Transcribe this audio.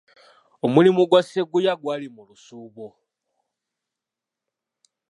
Omulimu gwa Sseguya gwali mu lusuubo.